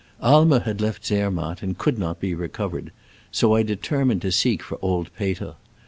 Aimer had left Zermatt, and could not be recovered, so I determined to seek for old Peter.